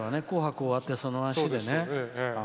「紅白」が終わって、その足でね。